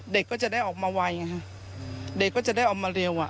เด็กก็จะได้ออกมาไวไงฮะเด็กก็จะได้ออกมาเร็วอ่ะ